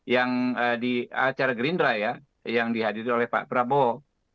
yang di acara gerindra ya yang dihadiri oleh pak prabowo